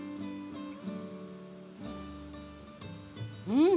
うん！